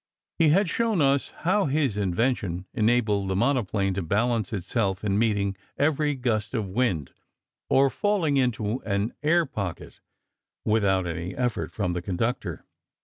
He had shown us how his invention enabled the monoplane to balance itself in meeting every gust of wind, or falling into an "air pocket," without any effort from the conductor.